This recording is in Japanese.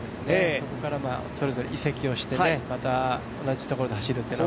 そこからそれぞれ移籍して同じところで走るというね。